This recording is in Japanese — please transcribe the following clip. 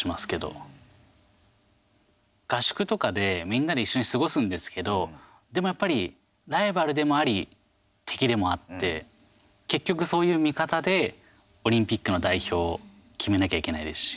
やっぱりこう、合宿とかでみんなで一緒に過ごすんですけどでも、やっぱりライバルでもあり敵でもあって結局そういう見方でオリンピックの代表を決めなきゃいけないですし。